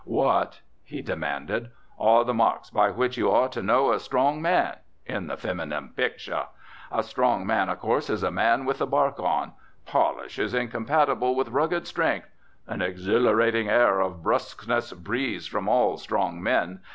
"What," he demanded, "are the marks by which you are to know a 'strong man' in the feminine picture? A strong man, of course, is a man with the bark on; polish is incompatible with rugged strength. An exhilarating air of brusqueness breathes from all strong men.